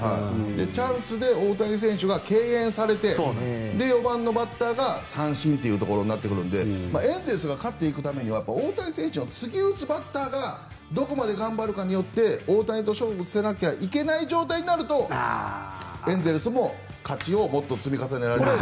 チャンスで大谷選手が敬遠されて４番のバッターが三振というところになってくるのでエンゼルスが勝っていくためには大谷選手の次打つバッターがどこまで頑張るかによって大谷と勝負しなきゃいけない状態になるとエンゼルスも勝ちをもっと積み重ねられると。